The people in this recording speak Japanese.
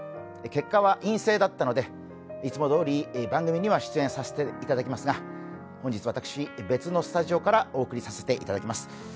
結果は陰性だったのでいつもどおり番組には出演させていただきますが本日、私、別のスタジオからお送りさせていただきます。